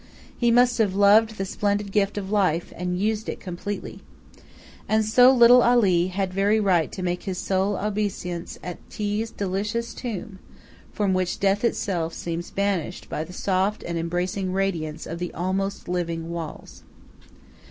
He must have loved the splendid gift of life, and used it completely. And so little Ali had very right to make his sole obeisance at Thi's delicious tomb, from which death itself seems banished by the soft and embracing radiance of the almost living walls.